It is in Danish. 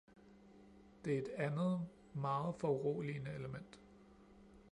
Det er et andet meget foruroligende element.